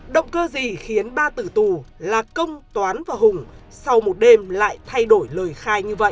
động cơ gì khiến ba tử tù là công toán và hùng sau một đêm lại thay đổi lời khai như vậy